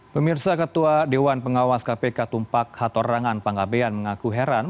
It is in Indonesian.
pemirsa ketua dewan pengawas kpk tumpak hator rangan pangabean mengaku heran